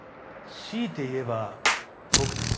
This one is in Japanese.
強いて言えば僕です。